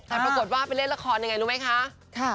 แต่ปรากฏว่าไปเล่นละครยังไงรู้ไหมคะ